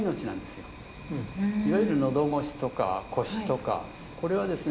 いわゆる喉ごしとかコシとかこれはですね